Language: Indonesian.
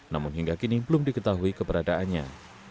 namun hingga kini belum diketahui keberadaannya